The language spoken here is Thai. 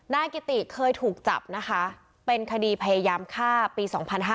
นายกิติเคยถูกจับนะคะเป็นคดีพยายามฆ่าปี๒๕๕๙